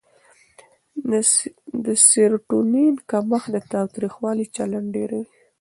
د سېرټونین کمښت د تاوتریخوالي چلند ډېروي.